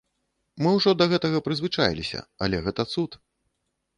Мы ўжо да гэтага прызвычаіліся, але гэта цуд!